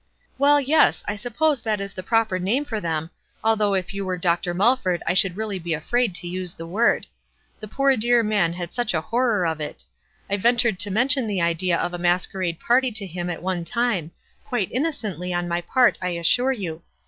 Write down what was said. " Well, yes, I suppose that is the proper name for them, though if you were Dr. Mulford I should really be afraid to use the word. The poor dear man had such a horror of it. I ven tured to mention the idea of a masquerade party to h«m at one time — quite innocently on my part, I assure you.